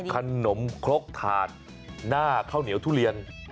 นครกถาดหน้าข้าวเหนียวทุเรียน